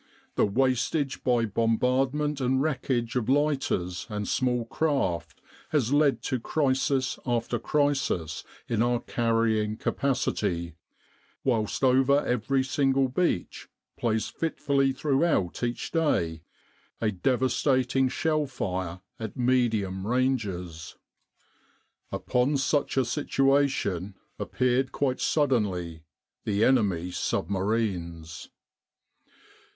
The wastage by bombardment and wreckage of lighters and small craft has led to crisis after crisis in our carrying capacity, whilst over every single beach plays fitfully throughout each day a devastating shell fire at medium ranges. ... Upon such a situation appeared quite suddenly the enemy submarines."